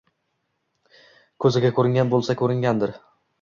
Ko`ziga ko`ringan bo`lsa ko`ringandir